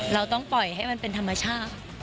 เราต้องปล่อยให้มันเป็นธรรมชาติ